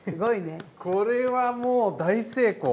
これはもう大成功！